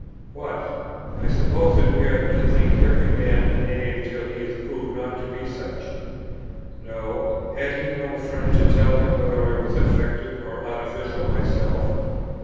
What! I suppose that we are to think every man a knave till he is proved not to be such. Know! had he no friend to tell him whether I was "affected" or "artificial" myself?